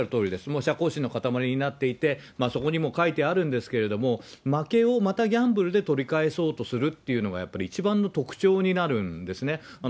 もう射幸心の塊になっていて、そこにも書いてあるんですけど、負けをまたギャンブルで取り返そうとするっていうのが、やっぱり一番の特徴になるんですね。